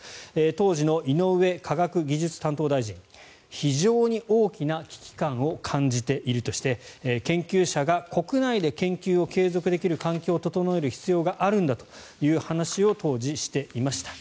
当時の井上科学技術担当大臣非常に大きな危機感を感じているとして研究者が国内で研究を継続できる環境を整える必要があるんだという話を当時、していました。